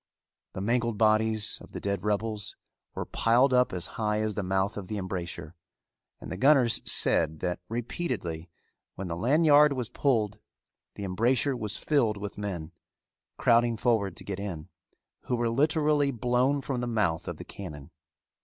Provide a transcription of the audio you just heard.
The mangled bodies of the dead rebels were piled up as high as the mouth of the embrasure, and the gunners said that repeatedly when the lanyard was pulled the embrasure was filled with men, crowding forward to get in, who were literally blown from the mouth of the cannon.